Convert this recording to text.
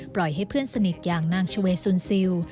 ให้เพื่อนสนิทอย่างนางชเวสุนซิล